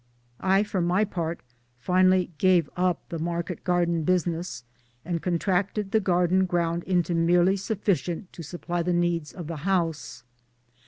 I, for; my part, finally gave up the market garden business and con tracted the garden ground into merely sufficient to supply the needs of the house.